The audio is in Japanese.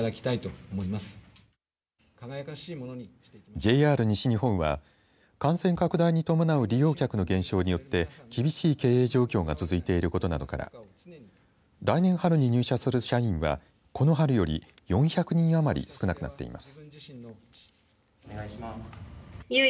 ＪＲ西日本は感染拡大に伴う利用客の減少によって厳しい経営状況が続いていることなどから来年春に入社する社員はこの春より４００人余り少なくなっています。